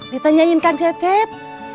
ditanyain kang cecep